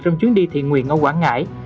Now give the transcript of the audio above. trong chuyến đi thiện nguyện ở quảng ngãi